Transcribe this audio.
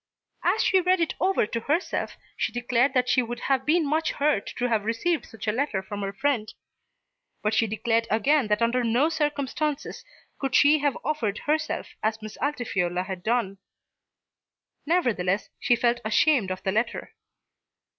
As she read it over to herself she declared that she would have been much hurt to have received such a letter from her friend. But she declared again that under no circumstances could she have offered herself as Miss Altifiorla had done. Nevertheless she felt ashamed of the letter.